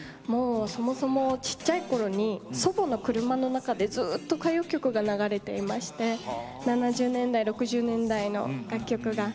そもそもちっちゃいころに祖母の車の中でずっと歌謡曲が流れていまして７０年代、６０年代の楽曲が。